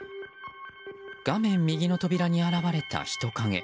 画面右の扉に現れた人影。